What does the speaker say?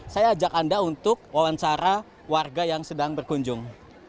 saya ajak anda untuk wawancara warga yang sedang berkunjung